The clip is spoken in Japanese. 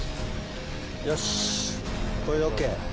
よしこれでＯＫ。